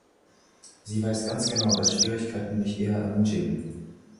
Sie weiß ganz genau, dass Schwierigkeiten mich eher ermutigen.